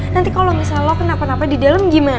nanti kalo misalnya lo kenapa napanya di dalam gimana